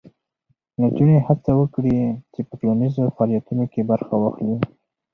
نجونې هڅه وکړي چې په ټولنیزو فعالیتونو کې برخه واخلي.